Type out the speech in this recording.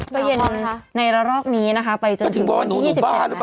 แต่เย็นในรอบนี้นะคะไปจนถึงวันวันที่๒๗เลยค่ะพี่แอ้วค่ะโอ๊ย